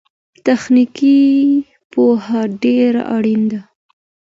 تخنيکي پوهه ډېره اړينه ده.